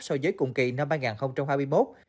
so với cùng kỳ năm hai nghìn hai mươi một